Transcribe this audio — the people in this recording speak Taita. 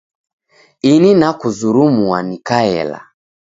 Ini nakuzurumua nikaela.